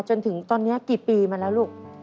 จนถึงตอนนี้กี่ปีมาแล้วลูก